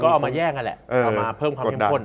ก็เอามาแย่งนั่นแหละเอามาเพิ่มความเข้มข้น